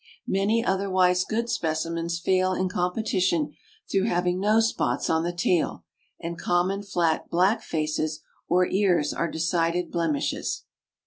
Many otherwise good specimens fail in competition through having no spots on the tail, and common fiat, black faces or ears are decided blemishes.